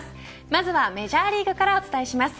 まずは、メジャーリーグからお伝えします。